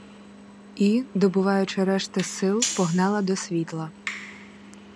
І, добуваючи решти сил, погнала до світла.